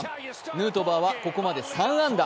ヌートバーはここまで３安打。